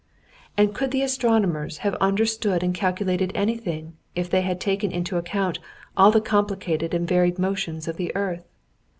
"And could the astronomers have understood and calculated anything, if they had taken into account all the complicated and varied motions of the earth?